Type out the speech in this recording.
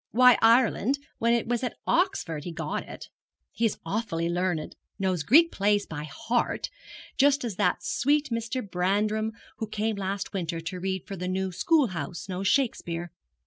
Why Ireland, when it was at Oxford he got it? He is awfully learned; knows Greek plays by heart, just as that sweet Mr. Brandram who came last winter to read for the new school house knows Shakespeare.